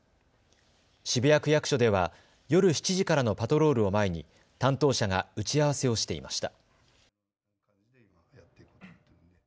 渋谷区役所では夜７時からのパトロールを前に担当者が打ち合わせをしていました。